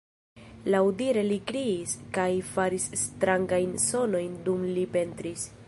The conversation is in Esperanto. Laŭdire li kriis kaj faris strangajn sonojn dum li pentris.